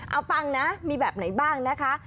เอาฟังนะมีแบบไหนบ้างนะคะ